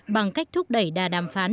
bằng cách thúc đẩy đàm phán